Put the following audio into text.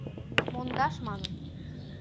— Мондаш манын.